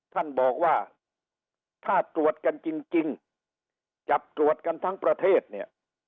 ท่านบอกว่าถ้าตรวจกันจริงจับตรวจกันทั้งประเทศเนี่ย